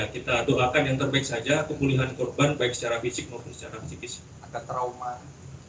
kita doakan yang terbaik saja pemulihan korban baik secara fisik maupun secara psikis akan trauma